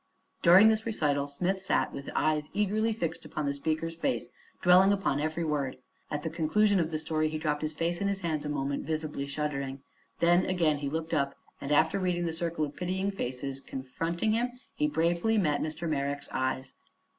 During this recital Smith sat with his eyes eagerly fixed upon the speaker's face, dwelling upon every word. At the conclusion of the story he dropped his face in his hands a moment, visibly shuddering. Then again he looked up, and after reading the circle of pitying faces confronting him he bravely met Mr. Merrick's eyes.